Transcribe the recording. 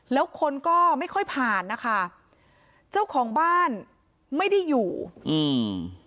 แล้วคนก็ไม่ค่อยผ่านนะคะเจ้าของบ้านไม่ได้อยู่อืม